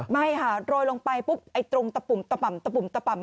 ไม่ค่ะโรยลงไปปุ๊บไอ้ตรงตะปุ่มตะป่ำตะปุ่มตะป่ำ